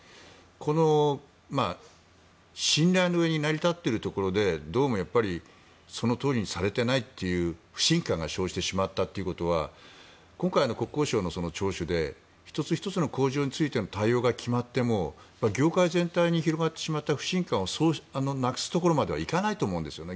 この信頼の上に成り立っているところでどうもやっぱりそのとおりにされていないという不信感が生じてしまったということは今回の国交省の聴取で１つ１つの工場についての対応が決まっても業界全体に広がってしまった不信感をなくすところまではいかないと思うんですね。